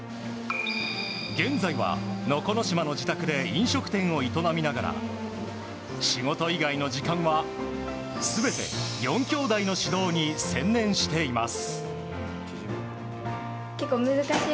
現在は能古島の自宅で飲食店を営みながら仕事以外の時間は全て４きょうだいの指導に専念しています。